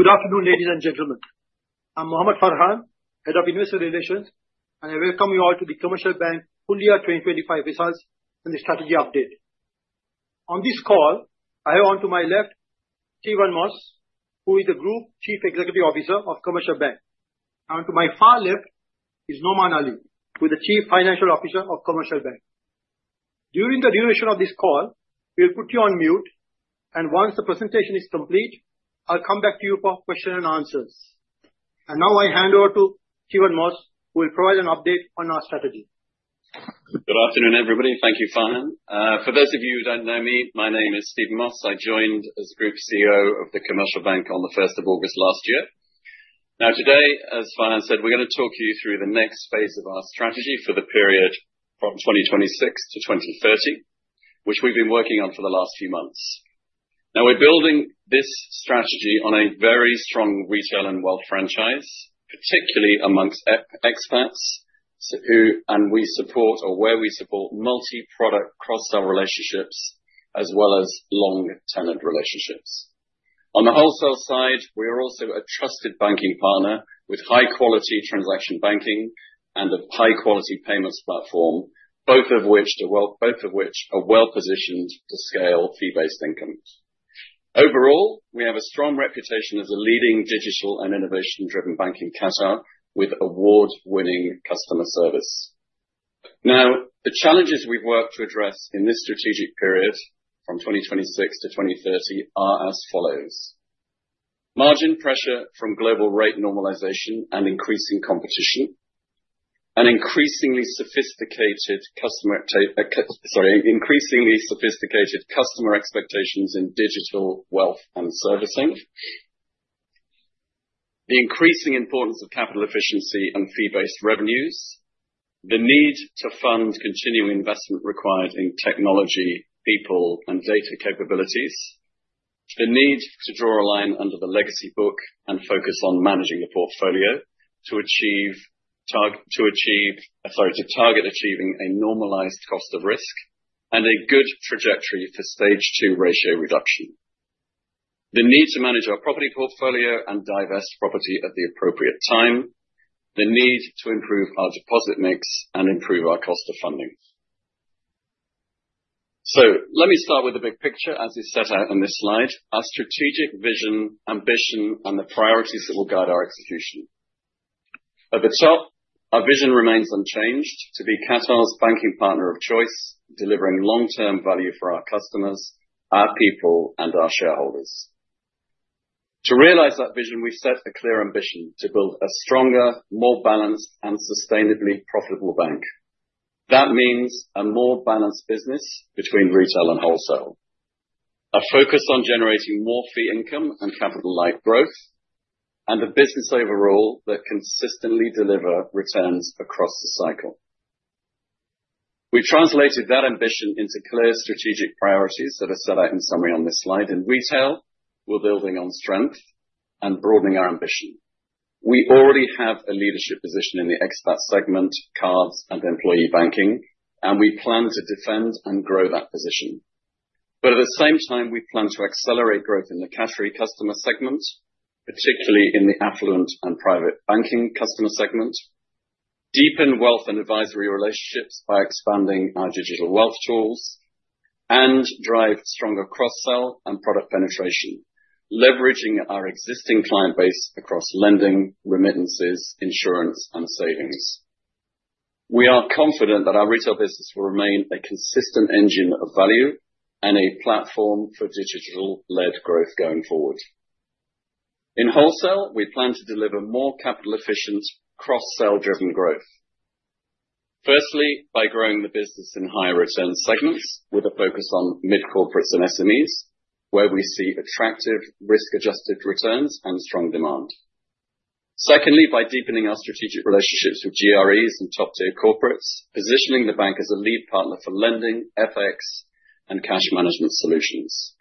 Good afternoon, ladies and gentlemen. I'm Mohamed Farhan, Head of Investor Relations, and I welcome you all to the Commercial Bank Full Year 2025 Results and the Strategy Update. On this call, I have on to my left, Stephen Moss, who is the Group Chief Executive Officer of Commercial Bank, and to my far left is Noman Ali, who is the Chief Financial Officer of Commercial Bank. During the duration of this call, we'll put you on mute, and once the presentation is complete, I'll come back to you for question and answers. And now I hand over to Stephen Moss, who will provide an update on our strategy. Good afternoon, everybody. Thank you, Farhan. For those of you who don't know me, my name is Stephen Moss. I joined as Group CEO of the Commercial Bank on the first of August last year. Now, today, as Farhan said, we're going to talk you through the next phase of our strategy for the period from 2026 to 2030, which we've been working on for the last few months. Now, we're building this strategy on a very strong retail and wealth franchise, particularly amongst expats, so who – and we support or where we support multi-product, cross-sell relationships, as well as long-term relationships. On the wholesale side, we are also a trusted banking partner with high-quality transaction banking and a high-quality payments platform, both of which are well-positioned to scale fee-based incomes. Overall, we have a strong reputation as a leading digital and innovation-driven bank in Qatar with award-winning customer service. Now, the challenges we've worked to address in this strategic period, from 2026 to 2030, are as follows: Margin pressure from global rate normalization and increasing competition, an increasingly sophisticated customer expectations in digital, wealth, and servicing. The increasing importance of capital efficiency and fee-based revenues. The need to fund continuing investment required in technology, people, and data capabilities. The need to draw a line under the legacy book and focus on managing the portfolio to target achieving a normalized cost of risk and a good trajectory for Stage 2 ratio reduction. The need to manage our property portfolio and divest property at the appropriate time. The need to improve our deposit mix and improve our cost of funding. So let me start with the big picture, as is set out on this slide. Our strategic vision, ambition, and the priorities that will guide our execution. At the top, our vision remains unchanged: to be Qatar's banking partner of choice, delivering long-term value for our customers, our people, and our shareholders. To realize that vision, we've set a clear ambition to build a stronger, more balanced, and sustainably profitable bank. That means a more balanced business between retail and wholesale, a focus on generating more fee income and capital-light growth, and a business overall that consistently deliver returns across the cycle. We've translated that ambition into clear strategic priorities that are set out in summary on this slide. In retail, we're building on strength and broadening our ambition. We already have a leadership position in the expat segment, cards, and employee banking, and we plan to defend and grow that position. But at the same time, we plan to accelerate growth in the Qatari customer segment, particularly in the affluent and private banking customer segment, deepen wealth and advisory relationships by expanding our digital wealth tools, and drive stronger cross-sell and product penetration, leveraging our existing client base across lending, remittances, insurance, and savings. We are confident that our retail business will remain a consistent engine of value and a platform for digital-led growth going forward. In wholesale, we plan to deliver more capital efficient, cross-sell driven growth. Firstly, by growing the business in higher return segments with a focus on mid-corporates and SMEs, where we see attractive risk-adjusted returns and strong demand. Secondly, by deepening our strategic relationships with GREs and top-tier corporates, positioning the bank as a lead partner for lending, FX, and cash management solutions.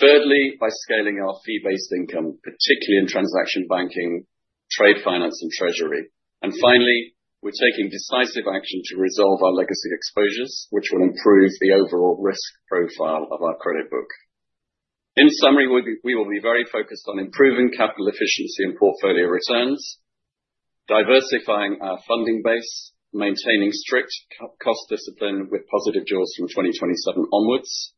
Thirdly, by scaling our fee-based income, particularly in transaction banking, trade finance, and treasury. And finally, we're taking decisive action to resolve our legacy exposures, which will improve the overall risk profile of our credit book. In summary, we, we will be very focused on improving capital efficiency and portfolio returns, diversifying our funding base, maintaining strict cost discipline with positive jaws from 2027 onwards,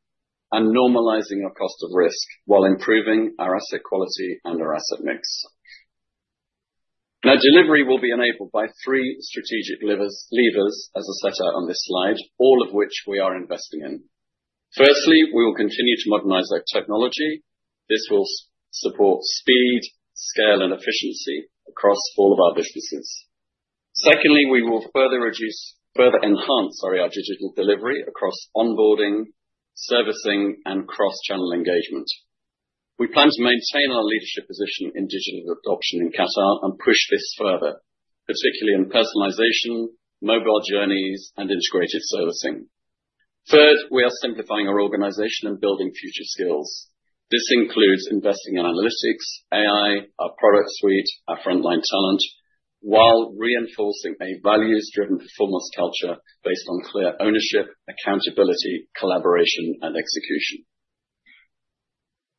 and normalizing our cost of risk while improving our asset quality and our asset mix. Now, delivery will be enabled by three strategic levers, as I set out on this slide, all of which we are investing in. Firstly, we will continue to modernize our technology. This will support speed, scale, and efficiency across all of our businesses. Secondly, we will further reduce, further enhance, sorry, our digital delivery across onboarding, servicing, and cross-channel engagement. We plan to maintain our leadership position in digital adoption in Qatar and push this further, particularly in personalization, mobile journeys, and integrated servicing. Third, we are simplifying our organization and building future skills. This includes investing in analytics, AI, our product suite, our frontline talent, while reinforcing a values-driven performance culture based on clear ownership, accountability, collaboration, and execution.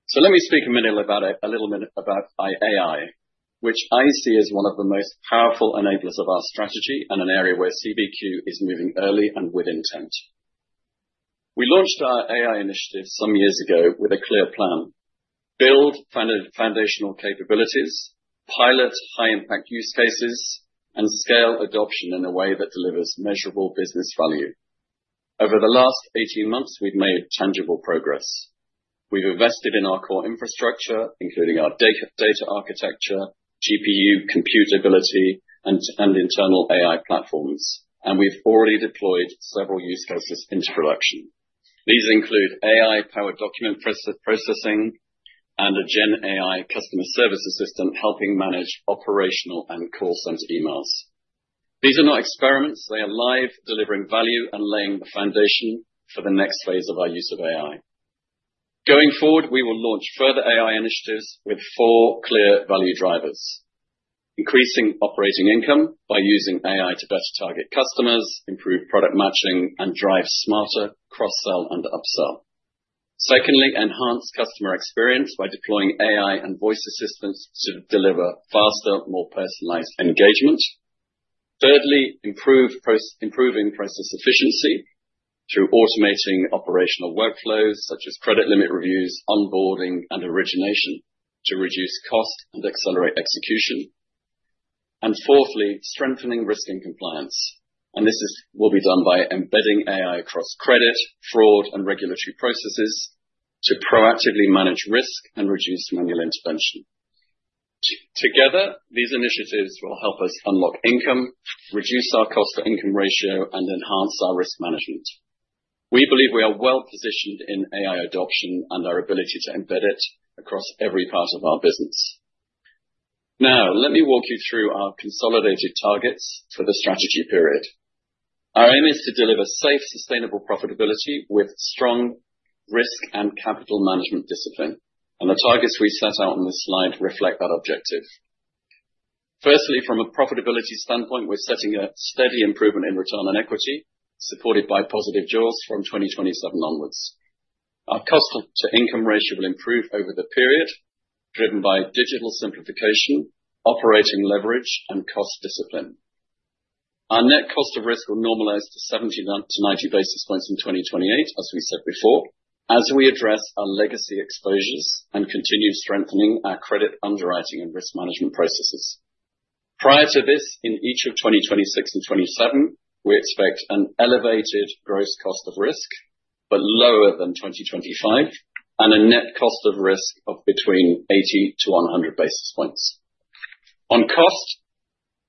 So let me speak a minute about, a little bit about AI, which I see as one of the most powerful enablers of our strategy and an area where CBQ is moving early and with intent. We launched our AI initiative some years ago with a clear plan: build foundational capabilities, pilot high-impact use cases, and scale adoption in a way that delivers measurable business value. Over the last eighteen months, we've made tangible progress. We've invested in our core infrastructure, including our data, data architecture, GPU compute ability, and internal AI platforms, and we've already deployed several use cases into production. These include AI-powered document processing and a Gen AI customer service assistant, helping manage operational and call center emails. These are not experiments. They are live, delivering value and laying the foundation for the next phase of our use of AI. Going forward, we will launch further AI initiatives with four clear value drivers: increasing operating income by using AI to better target customers, improve product matching, and drive smarter cross-sell and upsell. Secondly, enhance customer experience by deploying AI and voice assistants to deliver faster, more personalized engagement. Thirdly, improving process efficiency through automating operational workflows, such as credit limit reviews, onboarding, and origination to reduce cost and accelerate execution. And fourthly, strengthening risk and compliance, will be done by embedding AI across credit, fraud, and regulatory processes to proactively manage risk and reduce manual intervention. Together, these initiatives will help us unlock income, reduce our cost-to-income ratio, and enhance our risk management. We believe we are well-positioned in AI adoption and our ability to embed it across every part of our business. Now, let me walk you through our consolidated targets for the strategy period. Our aim is to deliver safe, sustainable profitability with strong risk and capital management discipline, and the targets we set out on this slide reflect that objective. Firstly, from a profitability standpoint, we're setting a steady improvement in return on equity, supported by positive jaws from 2027 onwards. Our cost to income ratio will improve over the period, driven by digital simplification, operating leverage, and cost discipline. Our net cost of risk will normalize to 70-90 basis points in 2028, as we said before, as we address our legacy exposures and continue strengthening our credit underwriting and risk management processes. Prior to this, in each of 2026 and 2027, we expect an elevated gross cost of risk, but lower than 2025, and a net cost of risk of between 80 to 100 basis points. On cost,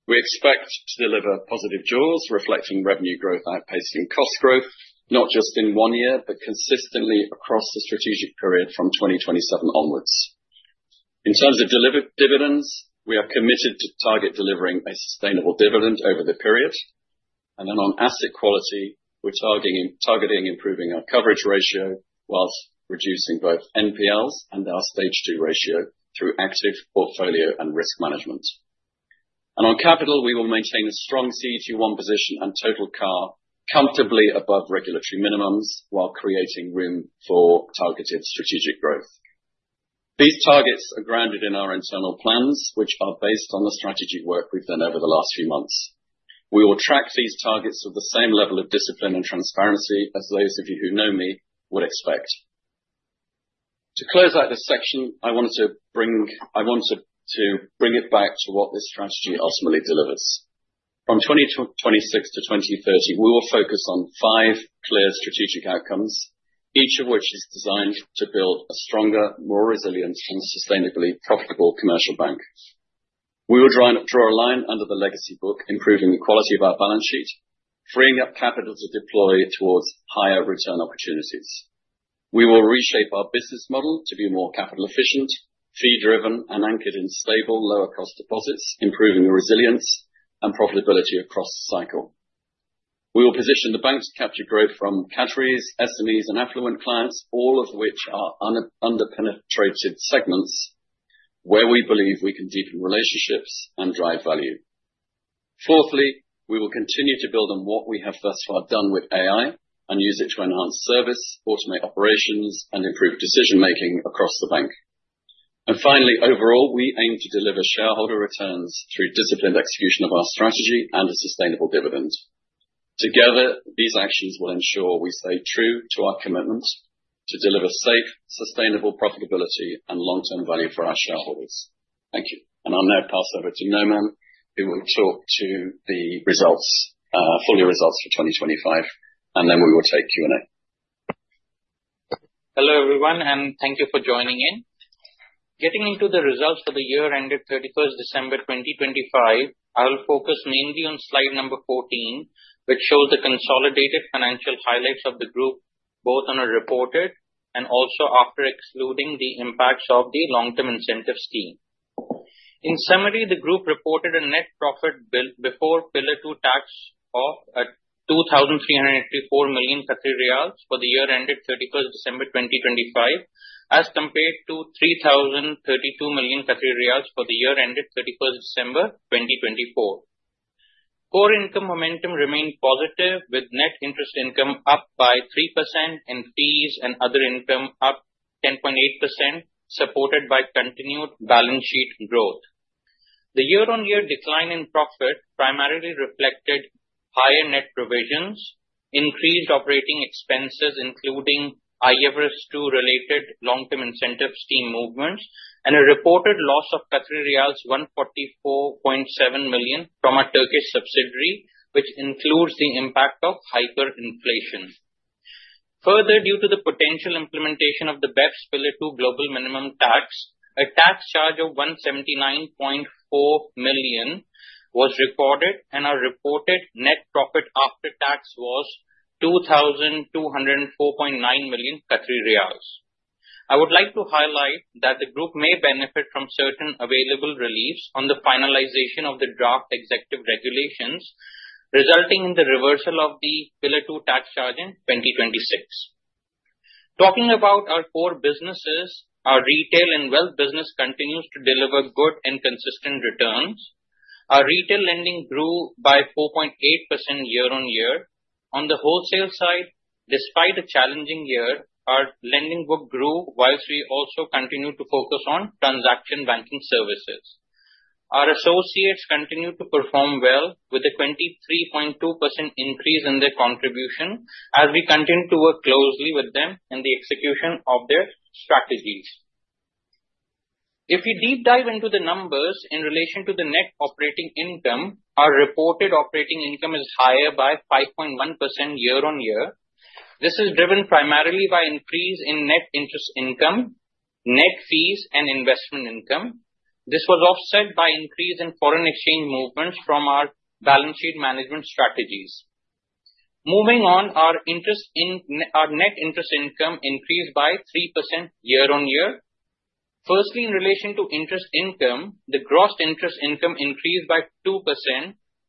we expect to deliver positive jaws, reflecting revenue growth outpacing cost growth, not just in one year, but consistently across the strategic period from 2027 onwards. In terms of dividends, we are committed to target delivering a sustainable dividend over the period, and then on asset quality, we're targeting improving our coverage ratio while reducing both NPLs and our Stage 2 ratio through active portfolio and risk management. On capital, we will maintain a strong CET1 position and total CAR comfortably above regulatory minimums while creating room for targeted strategic growth. These targets are grounded in our internal plans, which are based on the strategy work we've done over the last few months. We will track these targets with the same level of discipline and transparency as those of you who know me would expect. To close out this section, I wanted to bring it back to what this strategy ultimately delivers. From 26 to 2030, we will focus on 5 clear strategic outcomes, each of which is designed to build a stronger, more resilient, and sustainably profitable Commercial Bank. We will draw a line under the legacy book, improving the quality of our balance sheet, freeing up capital to deploy towards higher return opportunities. We will reshape our business model to be more capital efficient, fee driven, and anchored in stable, lower cost deposits, improving resilience and profitability across the cycle. We will position the bank to capture growth from categories, SMEs, and affluent clients, all of which are under-penetrated segments, where we believe we can deepen relationships and drive value. Fourthly, we will continue to build on what we have thus far done with AI and use it to enhance service, automate operations, and improve decision-making across the bank. And finally, overall, we aim to deliver shareholder returns through disciplined execution of our strategy and a sustainable dividend. Together, these actions will ensure we stay true to our commitment to deliver safe, sustainable profitability and long-term value for our shareholders. Thank you. And I'll now pass over to Noman, who will talk to the results, full year results for 2025, and then we will take Q&A. Hello, everyone, and thank you for joining in. Getting into the results for the year ended 31 December 2025, I will focus mainly on slide number 14, which shows the consolidated financial highlights of the group, both on a reported and also after excluding the impacts of the long-term incentive scheme. In summary, the group reported a net profit built before Pillar Two tax of 2,384 million Qatari riyals for the year ended 31 December 2025 as compared to 3,032 million Qatari riyals for the year ended 31 December 2024. Core income momentum remained positive, with net interest income up by 3% and fees and other income up 10.8%, supported by continued balance sheet growth. The year-over-year decline in profit primarily reflected higher net provisions, increased operating expenses, including IFRS 2 related long-term incentive scheme movements, and a reported loss of Qatari riyals 144.7 million from our Turkish subsidiary, which includes the impact of hyperinflation. Further, due to the potential implementation of the BEPS Pillar Two global minimum tax, a tax charge of 179.4 million was recorded, and our reported net profit after tax was 2,204.9 million Qatari riyals. I would like to highlight that the group may benefit from certain available reliefs on the finalization of the draft executive regulations, resulting in the reversal of the Pillar Two tax charge in 2026. Talking about our core businesses, our retail and wealth business continues to deliver good and consistent returns. Our retail lending grew by 4.8% year-over-year. On the wholesale side, despite a challenging year, our lending book grew, while we also continued to focus on transaction banking services. Our associates continued to perform well, with a 23.2% increase in their contribution, as we continue to work closely with them in the execution of their strategies. If you deep dive into the numbers in relation to the net operating income, our reported operating income is higher by 5.1% year-on-year. This is driven primarily by increase in net interest income, net fees, and investment income. This was offset by increase in foreign exchange movements from our balance sheet management strategies. Moving on, our net interest income increased by 3% year-on-year. Firstly, in relation to interest income, the gross interest income increased by 2%,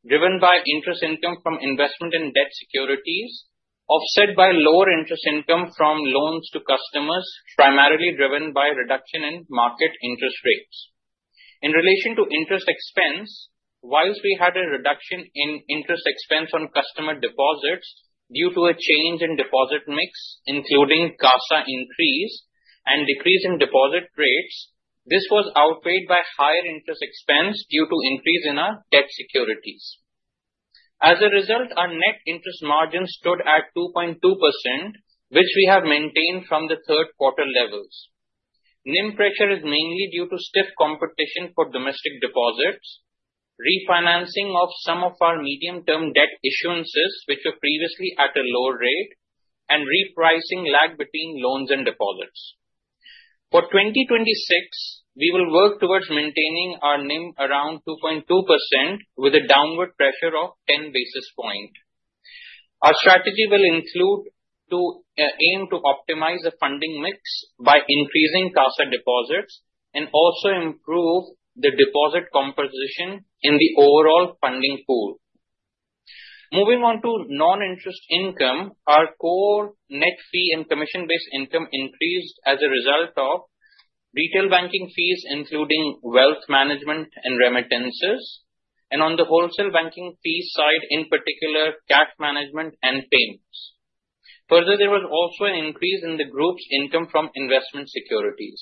driven by interest income from investment in debt securities, offset by lower interest income from loans to customers, primarily driven by reduction in market interest rates. In relation to interest expense, while we had a reduction in interest expense on customer deposits due to a change in deposit mix, including CASA increase and decrease in deposit rates, this was outweighed by higher interest expense due to increase in our debt securities. As a result, our net interest margin stood at 2.2%, which we have maintained from the third quarter levels. NIM pressure is mainly due to stiff competition for domestic deposits, refinancing of some of our medium-term debt issuances, which were previously at a lower rate, and repricing lag between loans and deposits. For 2026, we will work towards maintaining our NIM around 2.2%, with a downward pressure of 10 basis points. Our strategy will include to aim to optimize the funding mix by increasing CASA deposits and also improve the deposit composition in the overall funding pool. Moving on to non-interest income. Our core net fee and commission-based income increased as a result of retail banking fees, including wealth management and remittances, and on the wholesale banking fee side, in particular, cash management and payments. Further, there was also an increase in the group's income from investment securities.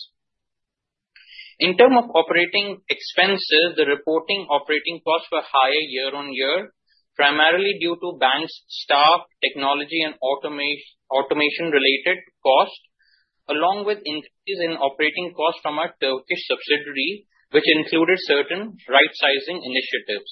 In terms of operating expenses, the reported operating costs were higher year-on-year, primarily due to the bank's staff, technology, and automation-related costs, along with increases in operating costs from our Turkish subsidiary, which included certain right-sizing initiatives.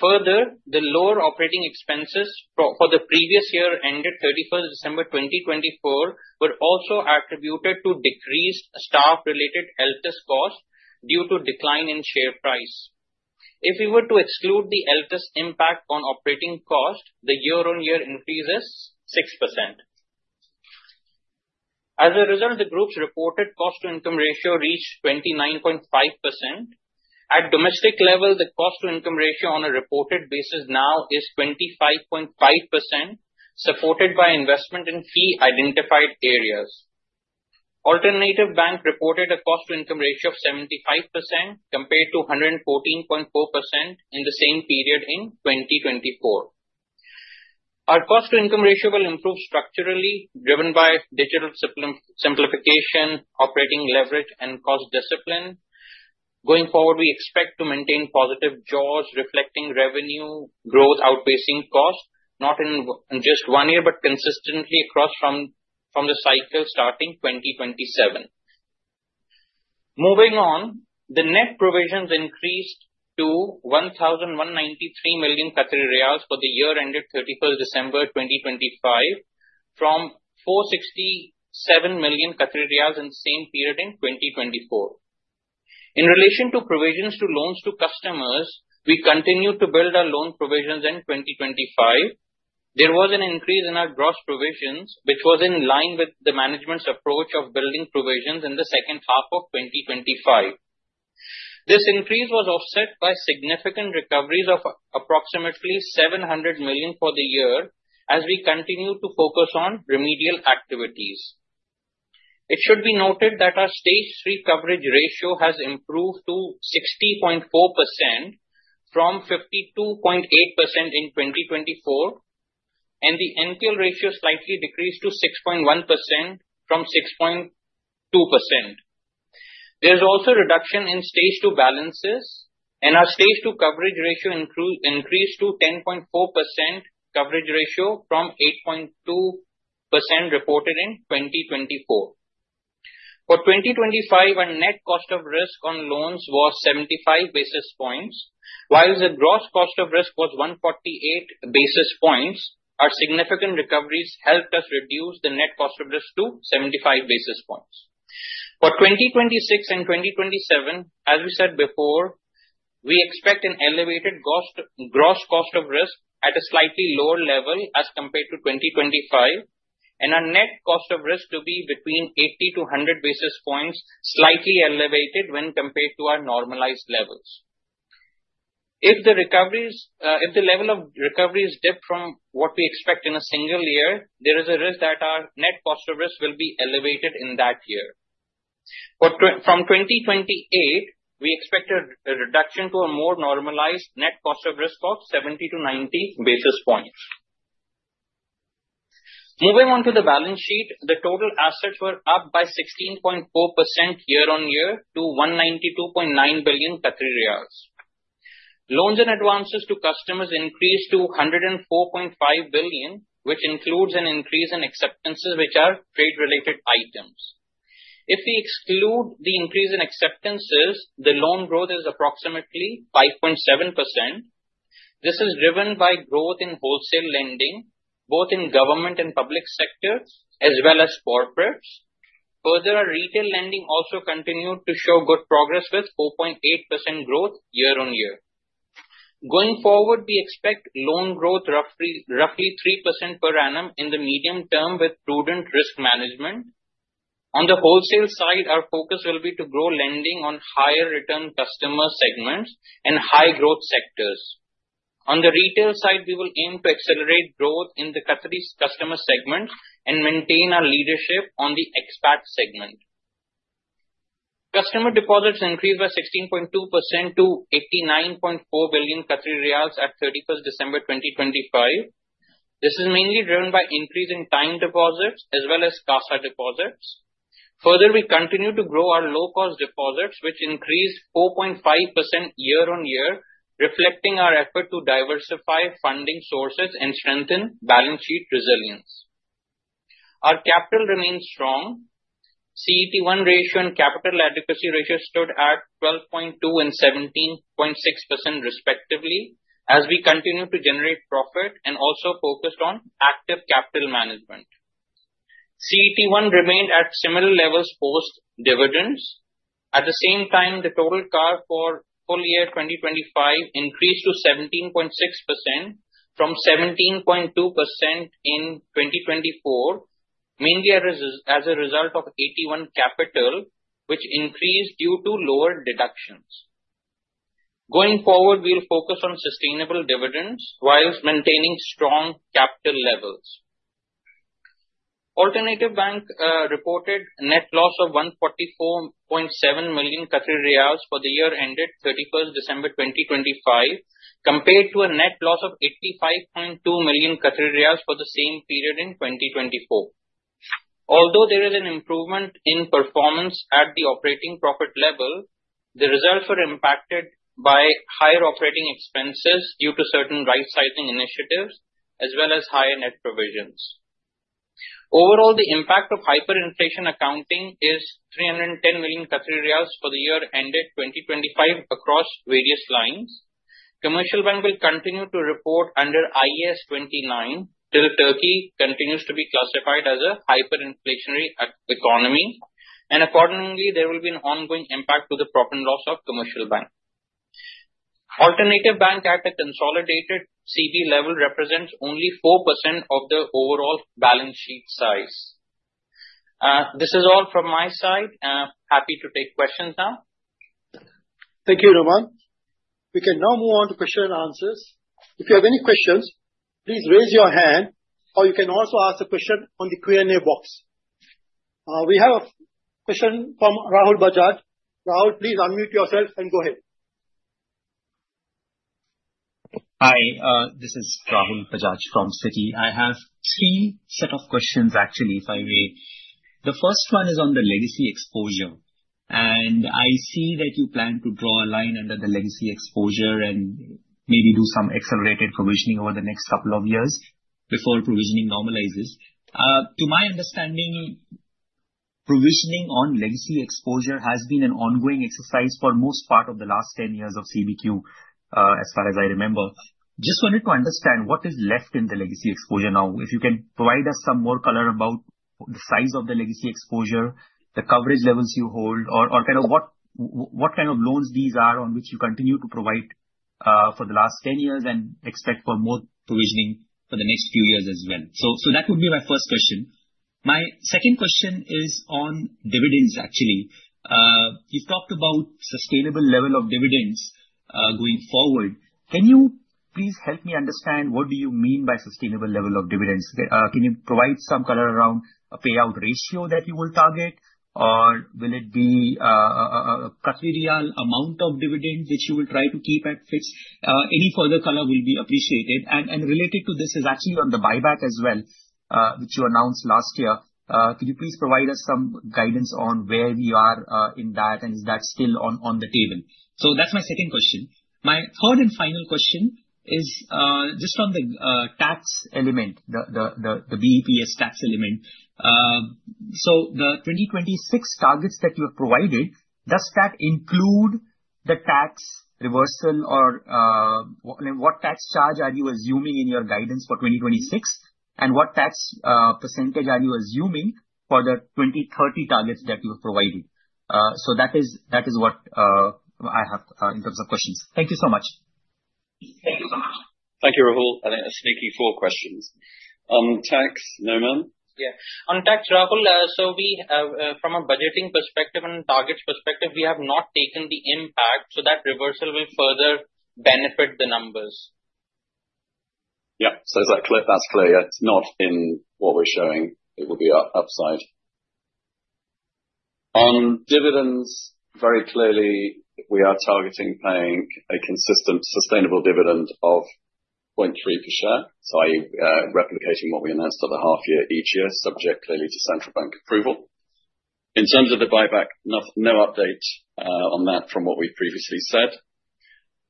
Further, the lower operating expenses pro forma for the previous year, ended 31 December 2024, were also attributed to decreased staff-related LTIs costs due to decline in share price. If we were to exclude the LTIs impact on operating costs, the year-on-year increase is 6%. As a result, the group's reported cost-to-income ratio reached 29.5%. At domestic level, the cost-to-income ratio on a reported basis now is 25.5%, supported by investment in key identified areas. Alternatif Bank reported a cost-to-income ratio of 75%, compared to 114.4% in the same period in 2024. Our cost-to-income ratio will improve structurally, driven by digital simplification, operating leverage, and cost discipline. Going forward, we expect to maintain positive jaws, reflecting revenue growth outpacing costs, not in just one year, but consistently across from the cycle starting 2027. Moving on, the net provisions increased to 1,193 million Qatari riyals for the year ended thirty-first December 2025, from 467 million Qatari riyals in the same period in 2024. In relation to provisions to loans to customers, we continued to build our loan provisions in 2025. There was an increase in our gross provisions, which was in line with the management's approach of building provisions in the second half of 2025. This increase was offset by significant recoveries of approximately 700 million for the year as we continue to focus on remedial activities. It should be noted that our Stage 3 coverage ratio has improved to 60.4% from 52.8% in 2024, and the NPL ratio slightly decreased to 6.1% from 6.2%. There's also a reduction in Stage 2 balances, and our Stage 2 coverage ratio increased to 10.4% coverage ratio from 8.2% reported in 2024. For 2025, our net cost of risk on loans was 75 basis points, while the gross cost of risk was 148 basis points. Our significant recoveries helped us reduce the net cost of risk to 75 basis points. For 2026 and 2027, as we said before, we expect an elevated cost, gross cost of risk at a slightly lower level as compared to 2025, and our net cost of risk to be between 80 to 100 basis points, slightly elevated when compared to our normalized levels. If the recoveries, if the level of recoveries dip from what we expect in a single year, there is a risk that our net cost of risk will be elevated in that year. But from 2028, we expect a reduction to a more normalized net cost of risk of 70 to 90 basis points. Moving on to the balance sheet, the total assets were up by 16.4% year-on-year to 192.9 billion Qatari riyals. Loans and advances to customers increased to 104.5 billion, which includes an increase in acceptances, which are trade-related items. If we exclude the increase in acceptances, the loan growth is approximately 5.7%. This is driven by growth in wholesale lending, both in government and public sectors, as well as corporates. Further, our retail lending also continued to show good progress, with 4.8% growth year-on-year. Going forward, we expect loan growth roughly, roughly 3% per annum in the medium term with prudent risk management. On the wholesale side, our focus will be to grow lending on higher return customer segments and high growth sectors. On the retail side, we will aim to accelerate growth in the Qatari customer segment and maintain our leadership on the expat segment. Customer deposits increased by 16.2% to 89.4 billion Qatari riyals at 31 December 2025. This is mainly driven by increase in time deposits as well as CASA deposits. Further, we continue to grow our low-cost deposits, which increased 4.5% year-on-year, reflecting our effort to diversify funding sources and strengthen balance sheet resilience. Our capital remains strong. CET1 ratio and capital adequacy ratio stood at 12.2% and 17.6%, respectively, as we continue to generate profit and also focused on active capital management. CET1 remained at similar levels post dividends. At the same time, the total CAR for full year 2025 increased to 17.6% from 17.2% in 2024, mainly as a result of AT1 capital, which increased due to lower deductions. Going forward, we'll focus on sustainable dividends while maintaining strong capital levels. Alternatif Bank reported net loss of 144.7 million Qatari riyals for the year ended thirty-first December 2025, compared to a net loss of 85.2 million Qatari riyals for the same period in 2024. Although there is an improvement in performance at the operating profit level, the results are impacted by higher operating expenses due to certain rightsizing initiatives as well as higher net provisions. Overall, the impact of hyperinflation accounting is 310 million riyals for the year ended 2025 across various lines. Commercial Bank will continue to report under IAS 29 till Turkey continues to be classified as a hyperinflationary economy, and accordingly, there will be an ongoing impact to the profit and loss of Commercial Bank. Alternatif Bank, at the consolidated CB level, represents only 4% of the overall balance sheet size. This is all from my side, and I'm happy to take questions now. Thank you, Noman. We can now move on to question and answers. If you have any questions, please raise your hand, or you can also ask a question on the Q&A box. We have a question from Rahul Bajaj. Rahul, please unmute yourself and go ahead. Hi, this is Rahul Bajaj from Citi. I have three set of questions, actually, if I may. The first one is on the legacy exposure, and I see that you plan to draw a line under the legacy exposure and maybe do some accelerated provisioning over the next couple of years before provisioning normalizes. To my understanding, provisioning on legacy exposure has been an ongoing exercise for most part of the last 10 years of CBQ, as far as I remember. Just wanted to understand what is left in the legacy exposure now? If you can provide us some more color about the size of the legacy exposure, the coverage levels you hold, or, or kind of what, what kind of loans these are on which you continue to provide-... For the last 10 years, and expect for more provisioning for the next few years as well. So, so that would be my first question. My second question is on dividends actually. You've talked about sustainable level of dividends, going forward. Can you please help me understand what do you mean by sustainable level of dividends? Can you provide some color around a payout ratio that you will target, or will it be a categorical amount of dividend that you will try to keep at fixed? Any further color will be appreciated. And related to this is actually on the buyback as well, which you announced last year. Could you please provide us some guidance on where we are in that, and is that still on the table? So that's my second question. My third and final question is just on the tax element, the BEPS tax element. So the 2026 targets that you have provided, does that include the tax reversal or what, I mean, what tax charge are you assuming in your guidance for 2026? And what tax percentage are you assuming for the 2030 targets that you're providing? So that is what I have in terms of questions. Thank you so much. Thank you so much. Thank you, Rahul. I think that's maybe four questions. On tax, Noman? Yeah. On tax, Rahul, so we, from a budgeting perspective and targets perspective, we have not taken the impact, so that reversal will further benefit the numbers. Yeah. So is that clear? That's clear. It's not in what we're showing. It will be upside. On dividends, very clearly, we are targeting paying a consistent, sustainable dividend of 0.3 per share, so I, replicating what we announced for the half year, each year, subject clearly to central bank approval. In terms of the buyback, no, no update, on that from what we've previously said.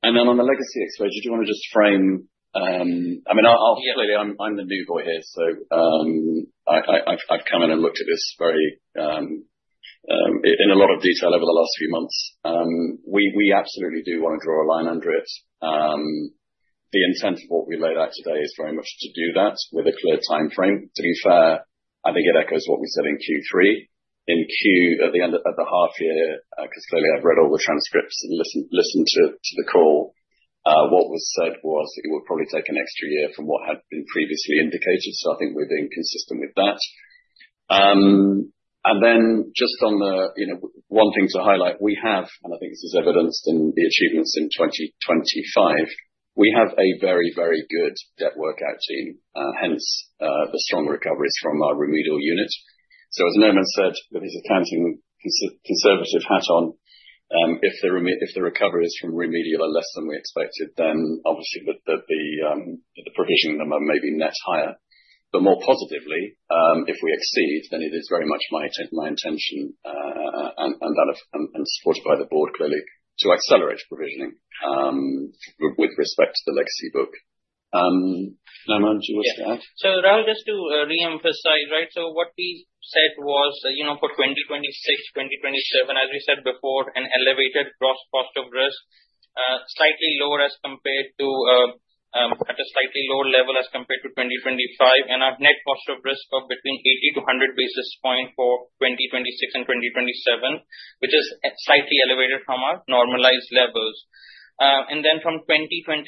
And then on the legacy exposure, did you want to just frame... I mean, I'll- Yeah. Clearly, I'm the new boy here, so I've come in and looked at this very in a lot of detail over the last few months. We absolutely do want to draw a line under it. The intent of what we laid out today is very much to do that with a clear timeframe. To be fair, I think it echoes what we said in Q3. In Q at the end of the half year, because clearly I've read all the transcripts and listened to the call, what was said was it would probably take an extra year from what had been previously indicated, so I think we're being consistent with that. And then just on the, you know, one thing to highlight, we have, and I think this is evidenced in the achievements in 2025, we have a very, very good debt workout team, hence, the strong recoveries from our remedial unit. So as Noman said, with his accounting conservative hat on, if the recovery is from remedial are less than we expected, then obviously the provisioning number may be net higher. But more positively, if we exceed, then it is very much my intention, and that is, and supported by the board clearly, to accelerate provisioning, with respect to the legacy book. Noman, do you want to add? So Rahul, just to reemphasize, right? So what we said was, you know, for 2026, 2027, as we said before, an elevated gross cost of risk, slightly lower as compared to, at a slightly lower level as compared to 2025. And our net cost of risk of between 80-100 basis points for 2026 and 2027, which is slightly elevated from our normalized levels. And then from 2028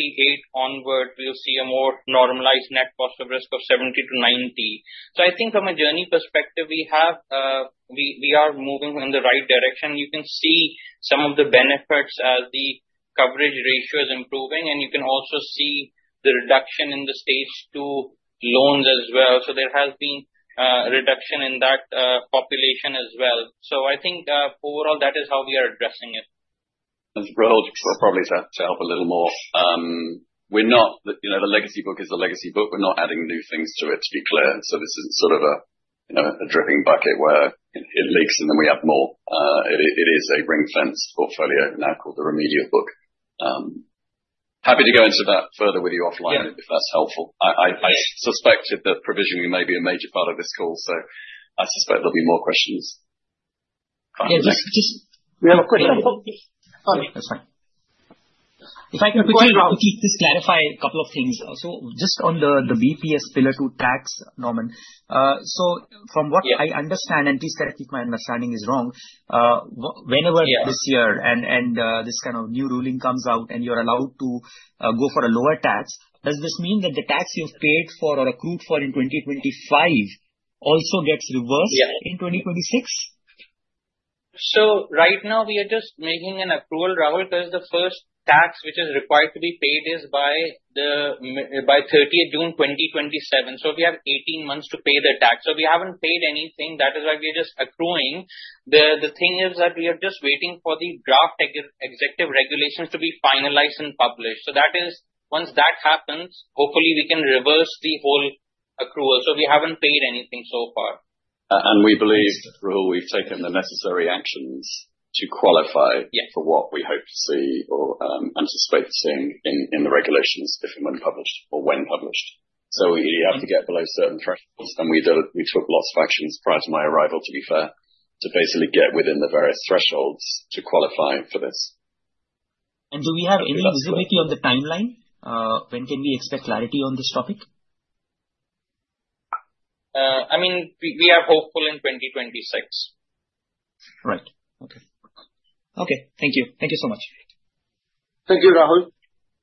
onward, we'll see a more normalized net cost of risk of 70-90. So I think from a journey perspective, we have, we are moving in the right direction. You can see some of the benefits as the coverage ratio is improving, and you can also see the reduction in the Stage 2 loans as well. So there has been a reduction in that population as well. So I think overall that is how we are addressing it. Rahul, we'll probably have to help a little more. We're not, you know, the legacy book is the legacy book. We're not adding new things to it, to be clear. So this isn't sort of a, you know, a dripping bucket where it leaks, and then we add more. It is a ring-fence portfolio, now called the remedial book. Happy to go into that further with you offline- Yeah. If that's helpful. I suspected that provisioning may be a major part of this call, so I suspect there'll be more questions coming up. We have a question. Oh, that's fine. If I can quickly- Go ahead, Rahul. Just clarify a couple of things. So just on the BEPS Pillar Two tax, Noman. So from what- Yeah. I understand, and please correct me if my understanding is wrong. Yeah. Whenever this year, this kind of new ruling comes out, and you're allowed to go for a lower tax, does this mean that the tax you've paid for or accrued for in 2025 also gets reversed? Yeah. -in 2026? So right now, we are just making an accrual, Rahul, because the first tax, which is required to be paid, is by the 30th June 2027. So we have 18 months to pay the tax. So we haven't paid anything. That is why we're just accruing. The thing is that we are just waiting for the draft executive regulations to be finalized and published. So that is... Once that happens, hopefully we can reverse the whole accrual. So we haven't paid anything so far. And we believe, Rahul, we've taken the necessary actions to qualify- Yeah. For what we hope to see or, anticipate seeing in the regulations, if and when published, or when published. Mm-hmm. You have to get below certain thresholds, and we delivered. We took lots of actions prior to my arrival, to be fair, to basically get within the various thresholds to qualify for this. Do we have any visibility on the timeline? When can we expect clarity on this topic? I mean, we are hopeful in 2026. Right. Okay. Okay, thank you. Thank you so much. Thank you, Rahul.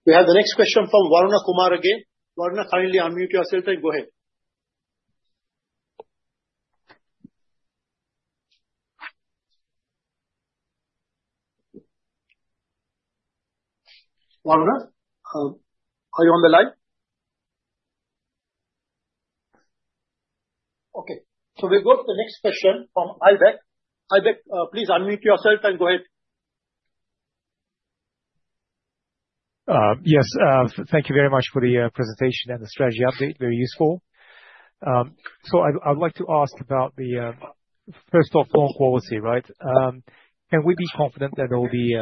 We have the next question from Varun Kumar again. Varun, kindly unmute yourself and go ahead. Varun, are you on the line? Okay, so we go to the next question from Aybek. Aybek, please unmute yourself and go ahead. Yes, thank you very much for the presentation and the strategy update. Very useful. So I'd like to ask about the first off, loan quality, right? Can we be confident that there will be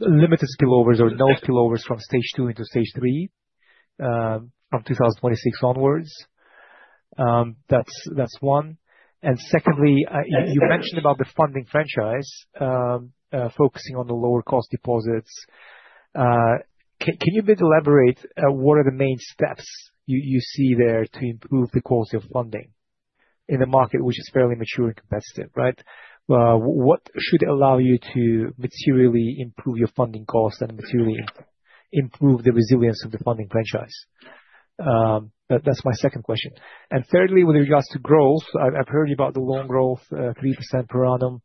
limited spillovers or no spillovers from Stage 2 into Stage 3 from 2026 onwards? That's one. And secondly, you mentioned about the funding franchise focusing on the lower cost deposits. Can you maybe elaborate what are the main steps you see there to improve the quality of funding in a market which is fairly mature and competitive, right? What should allow you to materially improve your funding costs and materially improve the resilience of the funding franchise? That's my second question. And thirdly, with regards to growth, I've heard you about the loan growth, 3% per annum,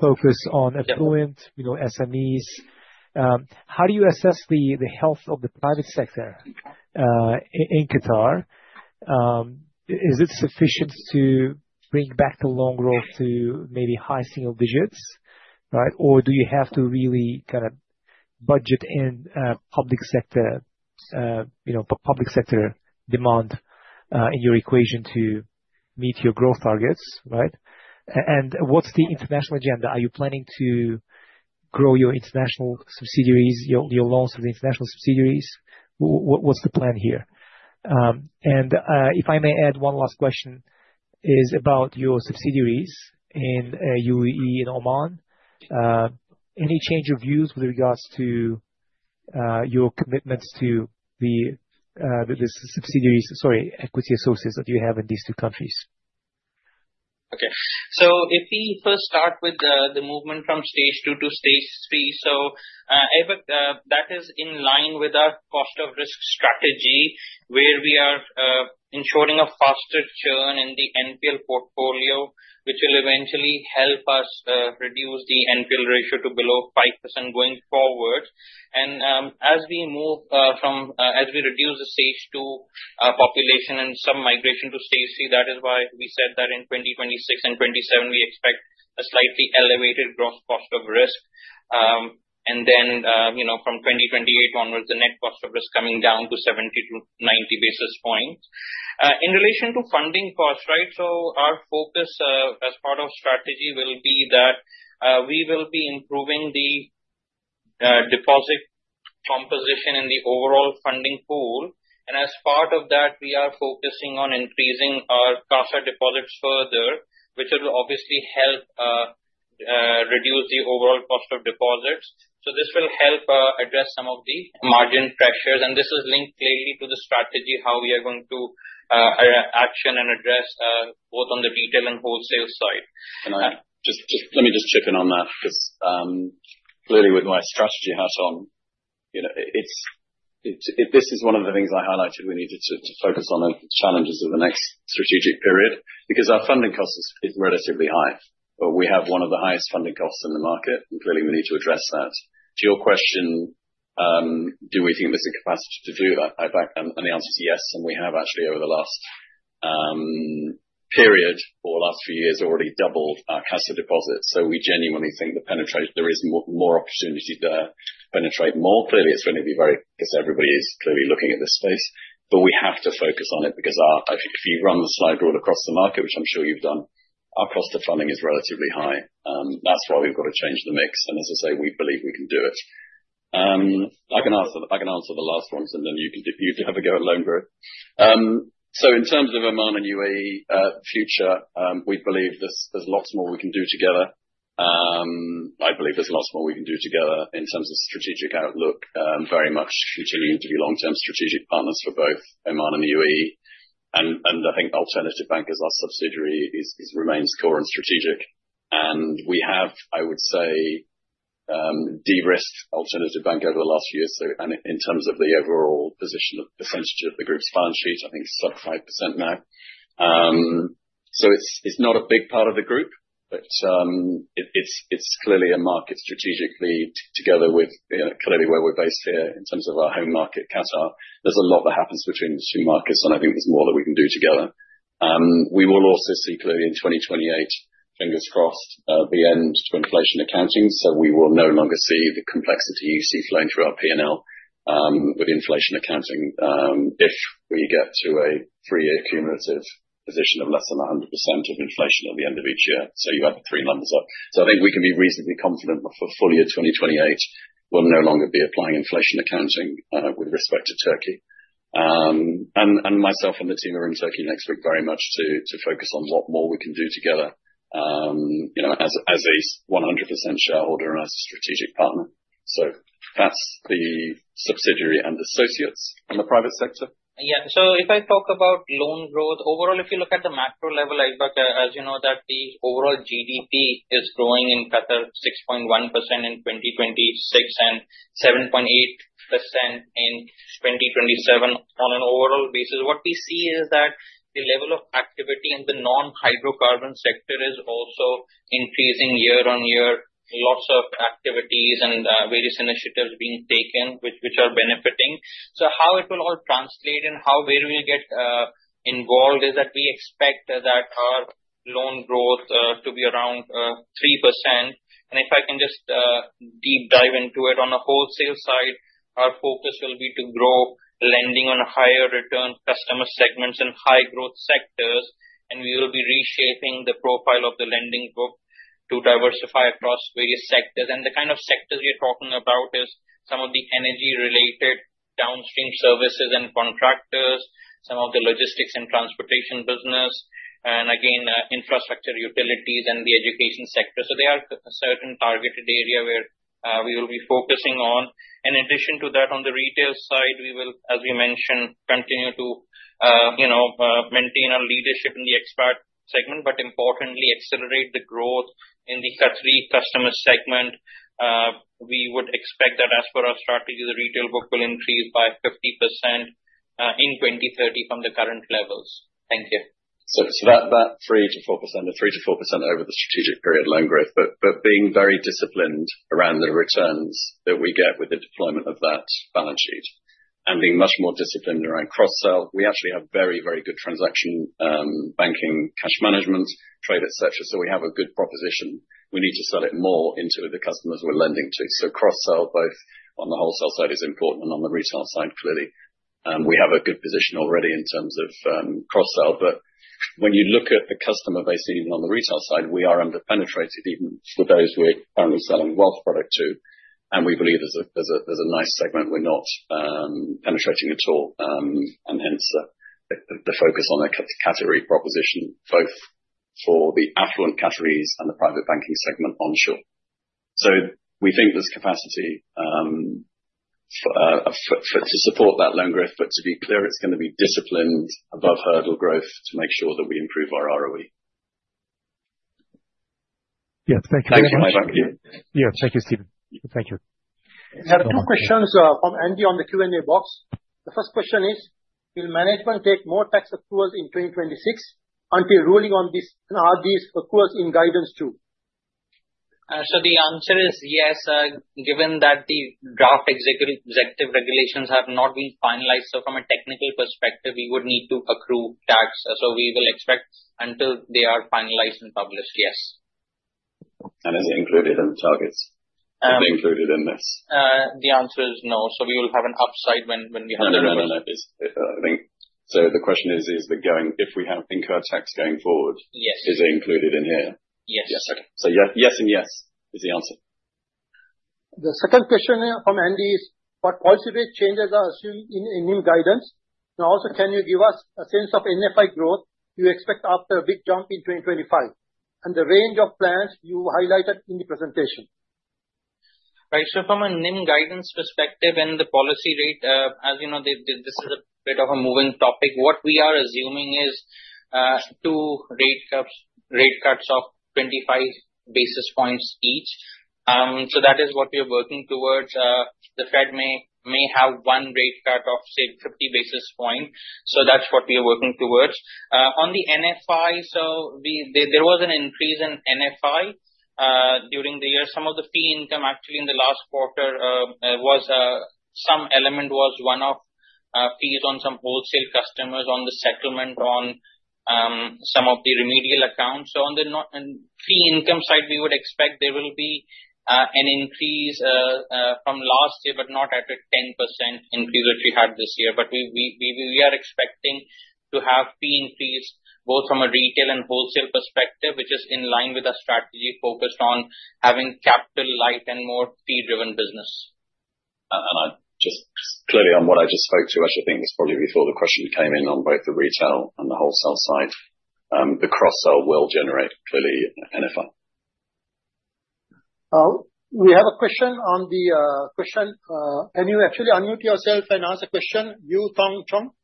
focus on affluent, you know, SMEs. How do you assess the health of the private sector in Qatar? Is it sufficient to bring back the loan growth to maybe high single digits, right? Or do you have to really kind of budget in public sector, you know, public sector demand in your equation to meet your growth targets, right? And what's the international agenda? Are you planning to grow your international subsidiaries, your loans for the international subsidiaries? What's the plan here? And if I may add, one last question is about your subsidiaries in UAE and Oman. Any change of views with regards to your commitments to the subsidiaries? Sorry, equity associates that you have in these two countries? Okay. So if we first start with the movement from Stage 2 to Stage 3, so, Aybek, that is in line with our cost of risk strategy, where we are ensuring a faster churn in the NPL portfolio, which will eventually help us reduce the NPL ratio to below 5% going forward. And as we move from as we reduce the Stage 2 population and some migration to Stage 3, that is why we said that in 2026 and 2027, we expect a slightly elevated gross cost of risk. And then, you know, from 2028 onwards, the net cost of risk coming down to 70-90 basis points. In relation to funding costs, right? So our focus, as part of strategy, will be that we will be improving the deposit composition in the overall funding pool, and as part of that, we are focusing on increasing our CASA deposits further, which will obviously help reduce the overall cost of deposits. So this will help address some of the margin pressures, and this is linked clearly to the strategy, how we are going to action and address both on the retail and wholesale side. Can I just, just, let me just chip in on that, because clearly with my strategy hat on, you know, it's, it, this is one of the things I highlighted we needed to focus on the challenges of the next strategic period, because our funding cost is relatively high. But we have one of the highest funding costs in the market, and clearly, we need to address that. To your question, do we think there's a capacity to do that, Aybek? And the answer is yes, and we have actually over the last period, or last few years, already doubled our CASA deposits. So we genuinely think there is more opportunity to penetrate more. Clearly, it's going to be very... Because everybody is clearly looking at this space, but we have to focus on it, because our, like, if you run the slide rule across the market, which I'm sure you've done, our cost of funding is relatively high. That's why we've got to change the mix, and as I say, we believe we can do it. I can answer the last one, and then you can, you can have a go at loan growth. So in terms of Oman and UAE, future, we believe there's lots more we can do together. I believe there's lots more we can do together in terms of strategic outlook, very much continuing to be long-term strategic partners for both Oman and the UAE. And I think Alternatif Bank, as our subsidiary, is remains core and strategic. We have, I would say, de-risked Alternatif Bank over the last year or so, and in terms of the overall position of the percentage of the group's balance sheet, I think it's sub 5% now. It's, it's not a big part of the group, but, it, it's, it's clearly a market strategically together with, you know, clearly where we're based here in terms of our home market, Qatar. There's a lot that happens between those two markets, and I think there's more that we can do together. We will also see clearly in 2028, fingers crossed, the end to inflation accounting, so we will no longer see the complexity you see flowing through our P&L, with inflation accounting, if we get to a three-year cumulative position of less than 100% of inflation at the end of each year, so you add the three numbers up. So I think we can be reasonably confident that for full year 2028, we'll no longer be applying inflation accounting, with respect to Turkey. And myself and the team are in Turkey next week very much to focus on what more we can do together. You know, as a 100% shareholder and a strategic partner. So that's the subsidiary and associates in the private sector? Yeah. So if I talk about loan growth, overall, if you look at the macro level, as but, as you know, that the overall GDP is growing in Qatar 6.1% in 2026, and 7.8% in 2027 on an overall basis. What we see is that the level of activity in the non-hydrocarbon sector is also increasing year-on-year. Lots of activities and various initiatives being taken, which are benefiting. So how it will all translate and how well we get involved is that we expect that our loan growth to be around 3%. If I can just deep dive into it, on the wholesale side, our focus will be to grow lending on a higher return customer segments and high growth sectors, and we will be reshaping the profile of the lending book to diversify across various sectors. The kind of sectors we're talking about is some of the energy-related downstream services and contractors, some of the logistics and transportation business, and again, infrastructure, utilities, and the education sector. There are certain targeted area where we will be focusing on. In addition to that, on the retail side, we will, as we mentioned, continue to, you know, maintain our leadership in the expat segment, but importantly, accelerate the growth in the Qatari customer segment. We would expect that as per our strategy, the retail book will increase by 50%, in 2030 from the current levels. Thank you. So that 3%-4%, the 3%-4% over the strategic period loan growth. But being very disciplined around the returns that we get with the deployment of that balance sheet and being much more disciplined around cross-sell. We actually have very, very good transaction banking, cash management, trade, et cetera, so we have a good proposition. We need to sell it more into the customers we're lending to. So cross-sell, both on the wholesale side is important, and on the retail side, clearly, we have a good position already in terms of cross-sell. But when you look at the customer base, even on the retail side, we are under-penetrated, even for those we're currently selling wealth product to, and we believe there's a nice segment we're not penetrating at all. And hence, the focus on the Qatari proposition, both for the affluent Qataris and the private banking segment onshore. So we think there's capacity for to support that loan growth. But to be clear, it's gonna be disciplined above hurdle growth to make sure that we improve our ROE. Yeah. Thank you. Thanks so much. Yeah. Thank you, Stephen. Thank you. We have two questions, from Andy on the Q&A box. The first question is: Will management take more tax accruals in 2026 until ruling on this, and are these accruals in guidance too? So the answer is yes, given that the draft executive regulations have not been finalized, so from a technical perspective, we would need to accrue tax. So we will expect until they are finalized and published, yes. Are they included in the targets? Are they included in this? The answer is no. So we will have an upside when, when we have- No, no, no. There's, I think. So the question is, is the going—if we have incurred tax going forward- Yes. Is it included in here? Yes. Yes. Okay. So yes, yes and yes is the answer. The second question here from Andy is, what policy rate changes are assumed in new guidance? And also, can you give us a sense of NFI growth you expect after a big jump in 2025 and the range of plans you highlighted in the presentation? Right. So from a NIM guidance perspective and the policy rate, as you know, this is a bit of a moving topic. What we are assuming is two rate cuts, rate cuts of 25 basis points each. So that is what we are working towards. The Fed may have one rate cut of, say, 50 basis points. So that's what we are working towards. On the NFI, so there was an increase in NFI during the year. Some of the fee income actually in the last quarter was some element was one-off fees on some wholesale customers on the settlement on some of the remedial accounts. So on the fee income side, we would expect there will be an increase from last year, but not at a 10% increase that we had this year. But we are expecting to have fee increase both from a retail and wholesale perspective, which is in line with our strategy focused on having capital light and more fee-driven business. And just clearly on what I just spoke to, I should think it's probably before the question came in on both the retail and the wholesale side, the cross-sell will generate clearly NFI. We have a question on the question. Can you actually unmute yourself and ask the question, Yu Peng Chong?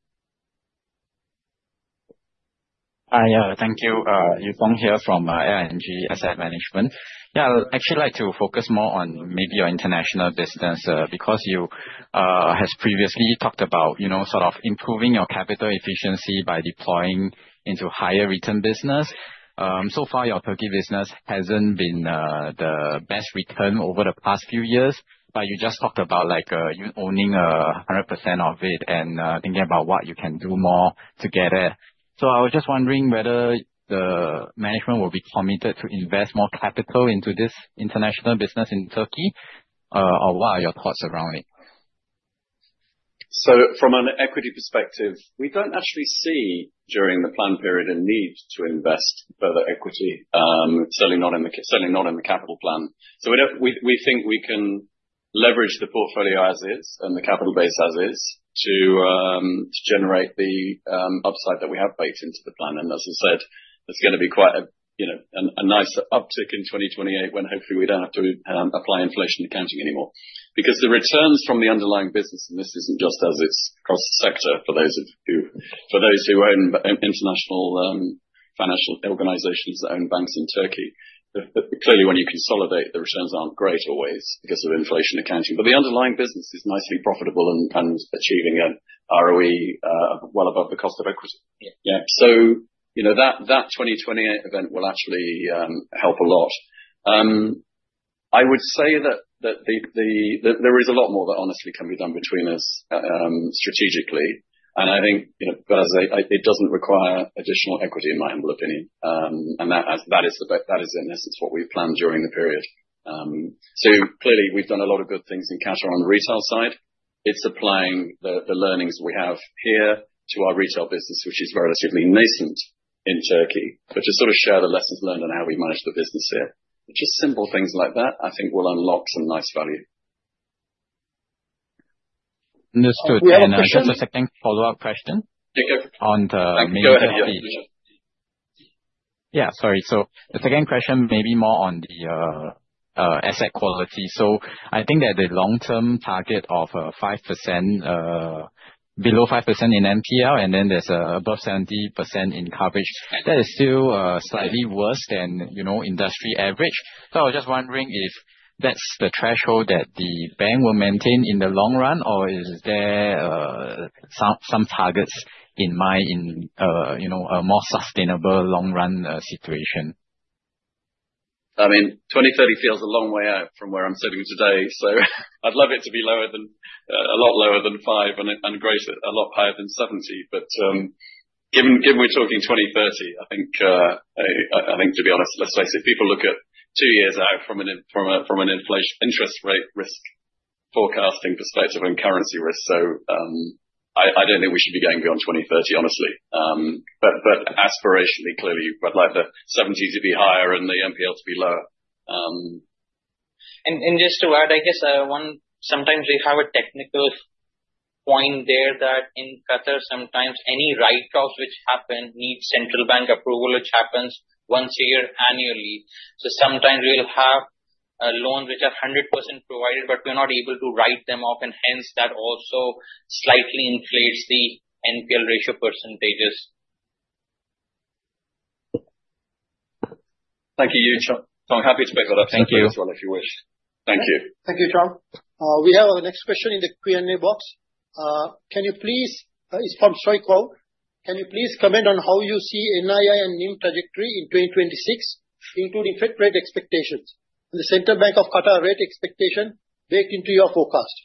Hi, yeah. Thank you. Yufeng here from ING Asset Management. Yeah, I would actually like to focus more on maybe your international business, because you has previously talked about, you know, sort of improving your capital efficiency by deploying into higher return business. So far, your Turkey business hasn't been the best return over the past few years, but you just talked about, like, you owning 100% of it and thinking about what you can do more to get it. So I was just wondering whether the management will be committed to invest more capital into this international business in Turkey, or what are your thoughts around it? So from an equity perspective, we don't actually see, during the plan period, a need to invest further equity, certainly not in the capital plan. So we think we can leverage the portfolio as is and the capital base as is, to generate the upside that we have baked into the plan. And as I said, it's gonna be quite a, you know, a nice uptick in 2028, when hopefully we don't have to apply inflation accounting anymore. Because the returns from the underlying business, and this isn't just as it's cross-sector, for those who own international financial organizations that own banks in Turkey, clearly, when you consolidate, the returns aren't great always because of inflation accounting. But the underlying business is nicely profitable and achieving an ROE well above the cost of equity. Yeah. Yeah. So, you know that 2028 event will actually help a lot. I would say that there is a lot more that honestly can be done between us strategically. And I think, you know, as I said, it doesn't require additional equity in my humble opinion. And that is in essence what we've planned during the period. So clearly we've done a lot of good things in Qatar on the retail side. It's applying the learnings we have here to our retail business, which is relatively nascent in Turkey, but to sort of share the lessons learned on how we manage the business here. Just simple things like that, I think will unlock some nice value. Understood. We have a question. And I just a second follow-up question- Yeah, go- On the maybe- Go ahead, yeah. Yeah, sorry. So the second question may be more on the asset quality. So I think that the long-term target of five percent below five percent in NPL, and then there's above seventy percent in coverage. That is still slightly worse than, you know, industry average. So I was just wondering if that's the threshold that the bank will maintain in the long run, or is there some targets in mind in, you know, a more sustainable long-run situation? I mean, 2030 feels a long way out from where I'm sitting today, so I'd love it to be lower than a lot lower than 5 and greater, a lot higher than 70. But given we're talking 2030, I think to be honest, let's face it, people look at 2 years out from an inflation interest rate risk forecasting perspective and currency risk. So I don't think we should be going beyond 2030, honestly. But aspirationally, clearly, I'd like the 70s to be higher and the NPLs to be lower. Just to add, I guess, sometimes we have a technical point there that in Qatar, sometimes any write-off which happen needs central bank approval, which happens once a year annually. So sometimes we'll have a loan which are 100% provided, but we're not able to write them off, and hence that also slightly inflates the NPL ratio percentages. Thank you, Yufeng. I'm happy to pick that up- Thank you. If you want, if you wish. Thank you. Thank you, Chong. We have our next question in the Q&A box. It's from Shouq. Can you please comment on how you see NII and NIM trajectory in 2026, including Fed rate expectations? The Central Bank of Qatar rate expectation baked into your forecast.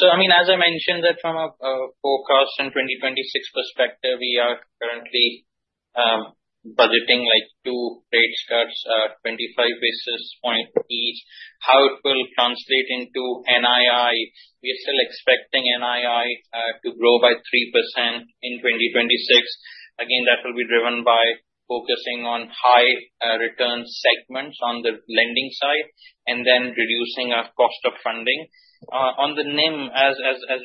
So, I mean, as I mentioned that from a forecast in 2026 perspective, we are currently budgeting like 2 rate cuts, 25 basis points each. How it will translate into NII? We are still expecting NII to grow by 3% in 2026. Again, that will be driven by focusing on high return segments on the lending side, and then reducing our cost of funding. On the NIM, as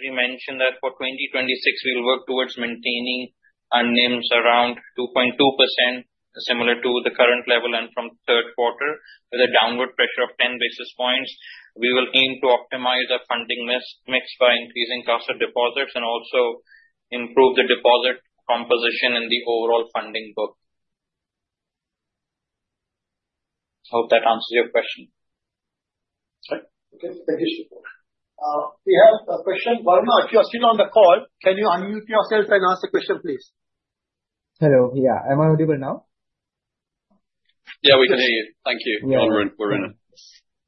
we mentioned that for 2026, we'll work towards maintaining our NIMs around 2.2%, similar to the current level and from third quarter, with a downward pressure of 10 basis points. We will aim to optimize our funding mix by increasing cost of deposits, and also improve the deposit composition in the overall funding book. Hope that answers your question. Sorry. Okay, thank you, Shouq. We have a question. Varun, if you are still on the call, can you unmute yourself and ask the question, please? Hello. Yeah. Am I audible now? Yeah, we can hear you. Thank you. Yeah. Varun, go ahead.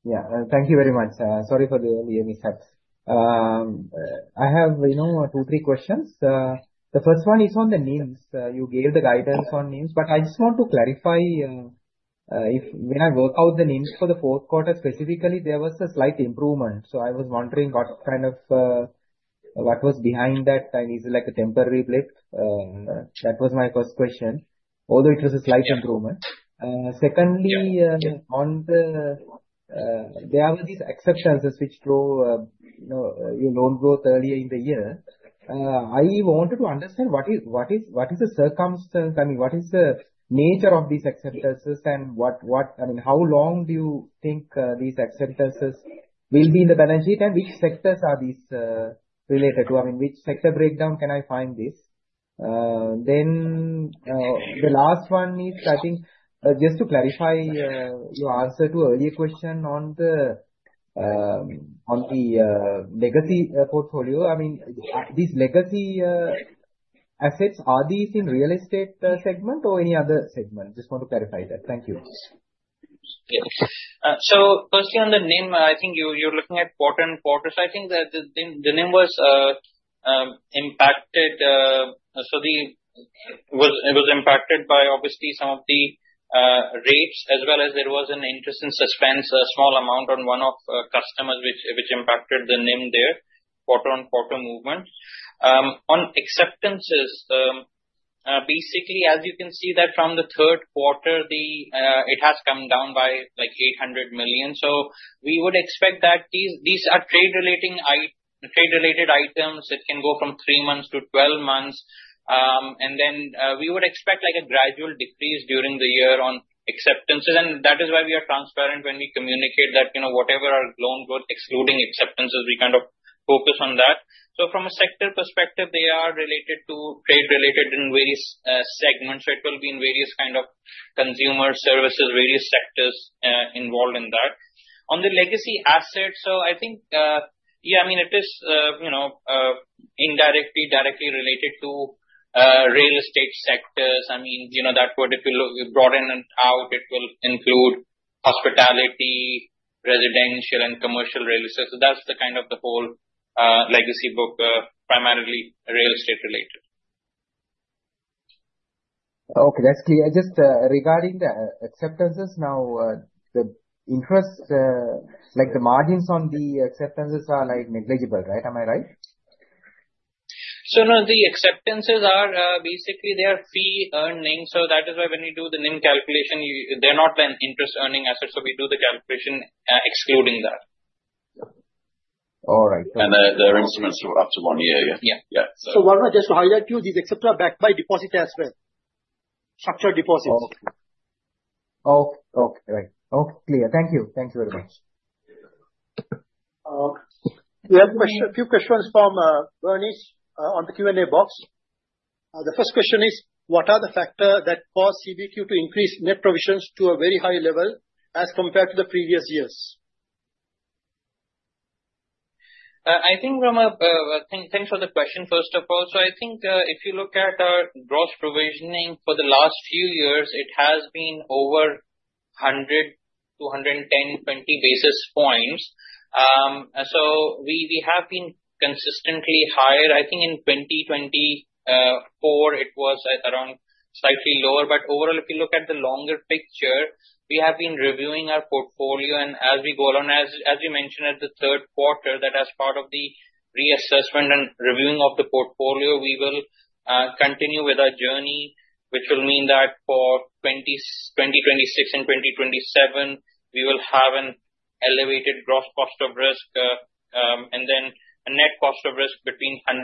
Yeah, thank you very much. Sorry for the early announcements. I have, you know, two, three questions. The first one is on the NIMs. You gave the guidance on NIMs, but I just want to clarify if when I work out the NIMs for the fourth quarter, specifically, there was a slight improvement. So I was wondering what kind of what was behind that, and is it like a temporary blip? That was my first question, although it was a slight improvement. Secondly, on the there were these acceptances which grew, you know, in loan growth earlier in the year. I wanted to understand what is the circumstance, I mean, what is the nature of these acceptances, and, I mean, how long do you think these acceptances will be in the balance sheet, and which sectors are these related to? I mean, which sector breakdown can I find this? Then, the last one is, I think, just to clarify, your answer to earlier question on the legacy portfolio. I mean, these legacy assets, are these in real estate segment or any other segment? Just want to clarify that. Thank you. Yeah. So firstly, on the NIM, I think you're looking at quarter-on-quarter. So I think that the NIM was impacted, so it was impacted by obviously some of the rates, as well as there was an interest in suspense, a small amount on one of customers, which impacted the NIM there, quarter-on-quarter movement. On acceptances. Basically, as you can see that from the third quarter, it has come down by, like, 800 million. So we would expect that these are trade-related items that can go from 3 months to 12 months. And then, we would expect, like, a gradual decrease during the year on acceptances, and that is why we are transparent when we communicate that, you know, whatever our loan book excluding acceptances, we kind of focus on that. So from a sector perspective, they are related to trade-related in various segments. So it will be in various kind of consumer services, various sectors involved in that. On the legacy assets, so I think, yeah, I mean, it is, you know, indirectly, directly related to real estate sectors. I mean, you know, that would, if you look, broaden out, it will include hospitality, residential, and commercial real estate. So that's the kind of the whole legacy book, primarily real estate related. Okay, that's clear. Just, regarding the acceptances now, the interest, like, the margins on the acceptances are, like, negligible, right? Am I right? So no, the acceptances are basically they are fee earnings, so that is why when you do the NIM calculation, they're not an interest-earning asset, so we do the calculation excluding that. All right. The instruments are up to one year. Yeah. Yeah, yeah. So, Varun, just to highlight to you, these acceptances are backed by deposits as well, structured deposits. Okay, right. Okay, clear. Thank you. Thank you very much. We have question, a few questions from Bernice on the Q&A box. The first question is: What are the factor that caused CBQ to increase net provisions to a very high level as compared to the previous years? I think, Rama, thanks, thanks for the question, first of all. So I think, if you look at our gross provisioning for the last few years, it has been over 100 to 110-120 basis points. So we, we have been consistently higher. I think in 2024, it was at around slightly lower. But overall, if you look at the longer picture, we have been reviewing our portfolio, and as we go on, as we mentioned at the third quarter, that as part of the reassessment and reviewing of the portfolio, we will continue with our journey, which will mean that for 2026 and 2027, we will have an elevated gross cost of risk, and then a net cost of risk between 80-100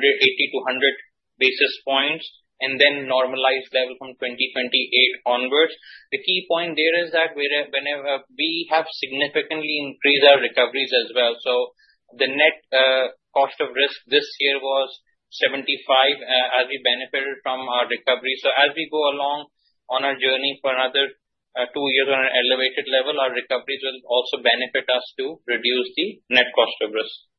basis points, and then normalize level from 2028 onwards. The key point there is that whenever we have significantly increased our recoveries as well, so the net cost of risk this year was 75, as we benefited from our recovery. So as we go along on our journey for another two years on an elevated level, our recoveries will also benefit us to reduce the net cost of risk.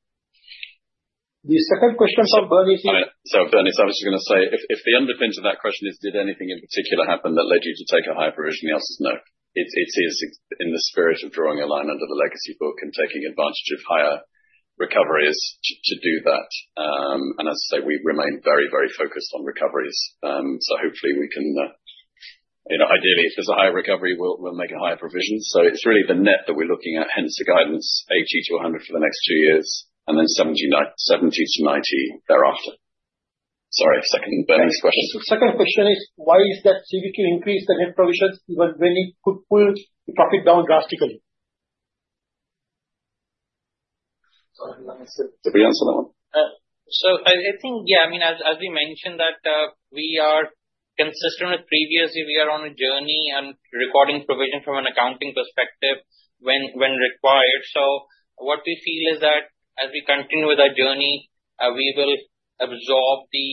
The second question from Bernice is- Sorry, so Bernice, I was just gonna say, if the underpin to that question is, did anything in particular happen that led you to take a higher provision? The answer is no. It is in the spirit of drawing a line under the legacy book and taking advantage of higher recoveries to do that. And as I say, we remain very, very focused on recoveries. So hopefully we can, you know, ideally, if there's a higher recovery, we'll make a higher provision. So it's really the net that we're looking at, hence the guidance, 80-100 for the next two years, and then 70s-90 thereafter. Sorry, second Bernice question. Second question is: Why is that CBQ increased the net provisions, but really could pull the profit down drastically? So let me say. Did we answer that one? So I think, yeah, I mean, as we mentioned that we are consistent with previously, we are on a journey and recording provision from an accounting perspective when required. So what we feel is that as we continue with our journey, we will absorb the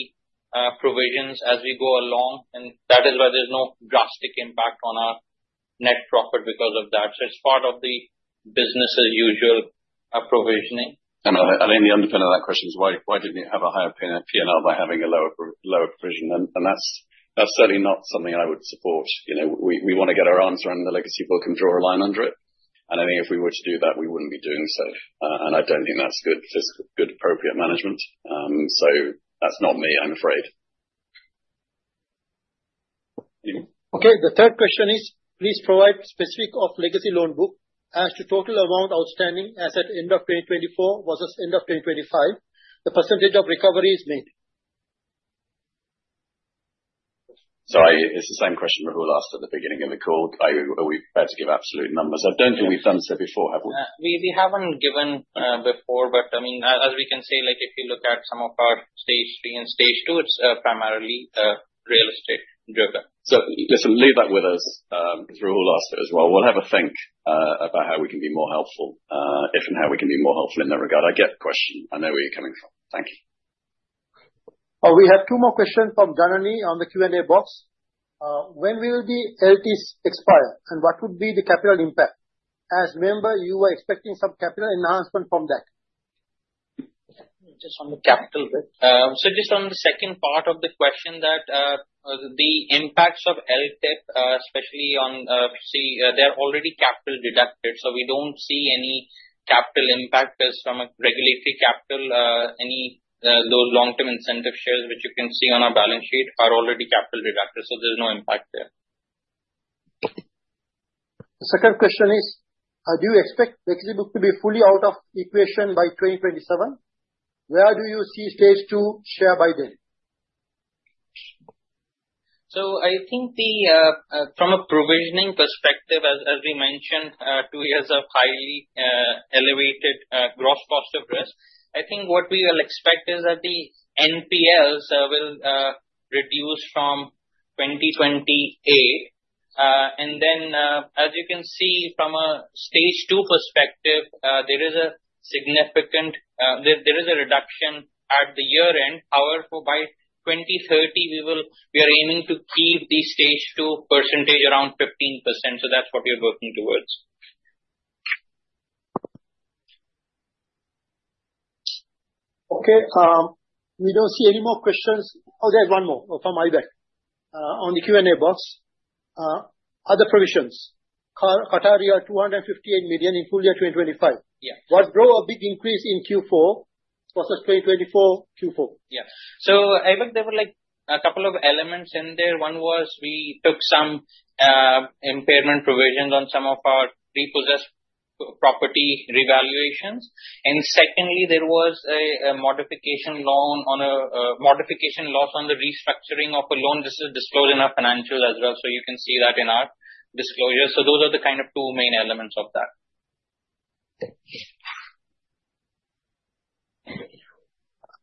provisions as we go along, and that is why there's no drastic impact on our net profit because of that. So it's part of the business as usual, provisioning. I think the underpin of that question is why didn't you have a higher P&L by having a lower provision? And that's certainly not something I would support. You know, we wanna get our arms around the legacy book and draw a line under it. And I think if we were to do that, we wouldn't be doing so, and I don't think that's good, just good, appropriate management. So that's not me, I'm afraid. Okay, the third question is: Please provide specifics of legacy loan book as to total amount outstanding as at end of 2024 versus end of 2025, the percentage of recoveries made. Sorry, it's the same question Rahul asked at the beginning of the call. Are you- are we about to give absolute numbers? I don't think we've done so before, have we? We haven't given before, but I mean, as we can say, like, if you look at some of our Stage 3 and Stage 2, it's primarily real estate driven. So listen, leave that with us. Rahul asked it as well. We'll have a think about how we can be more helpful, if and how we can be more helpful in that regard. I get the question. I know where you're coming from. Thank you. We have two more questions from Janany on the Q&A box. When will the LTIs expire, and what would be the capital impact? As member, you are expecting some capital enhancement from that. Just on the capital bit. So just on the second part of the question, that, the impacts of LTIs, especially on, see, they're already capital deducted, so we don't see any capital impact as from a regulatory capital, those long-term incentive shares, which you can see on our balance sheet, are already capital deducted, so there's no impact there. The second question is, do you expect the equity book to be fully out of equation by 2027? Where do you see Stage 2 share by then? So I think the from a provisioning perspective, as we mentioned, two years of highly elevated gross cost of risk, I think what we will expect is that the NPLs will reduce from 2028. And then, as you can see from a Stage 2 perspective, there is a significant reduction at the year-end. However, by 2030, we will, we are aiming to keep the Stage 2 percentage around 15%, so that's what we are working towards. Okay. We don't see any more questions. Oh, there's one more from Aybek on the Q&A box. Other provisions, Qatar, 258 million in full year 2025. Yeah. What drove a big increase in Q4 versus 2024 Q4? Yeah. So Aybek, there were, like, a couple of elements in there. One was we took some impairment provisions on some of our repossessed property revaluations. And secondly, there was a modification loss on the restructuring of a loan. This is disclosed in our financials as well, so you can see that in our disclosure. So those are the kind of two main elements of that. Thank you. I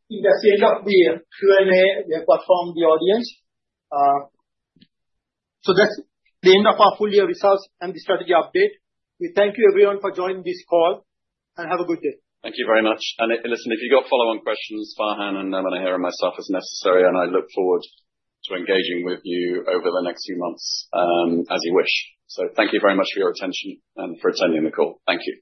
think that's the end of the Q&A we have got from the audience. So that's the end of our full year results and the strategy update. We thank you everyone for joining this call, and have a good day. Thank you very much. And, listen, if you've got follow-on questions for Farhan and, Manar and myself as necessary, and I look forward to engaging with you over the next few months, as you wish. So thank you very much for your attention and for attending the call. Thank you.